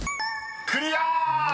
［クリア！］